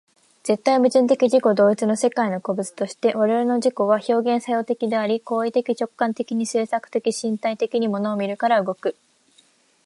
絶対矛盾的自己同一の世界の個物として、我々の自己は表現作用的であり、行為的直観的に制作的身体的に物を見るから働く。